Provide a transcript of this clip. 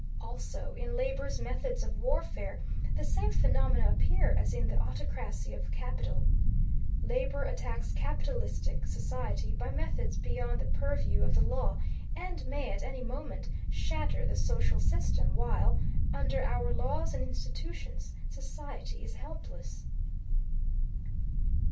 Also, in labor's methods of warfare the same phenomena appear as in the autocracy of capital. Labor attacks capitalistic society by methods beyond the purview of the law, and may, at any moment, shatter the social system; while, under our laws and institutions, society is helpless.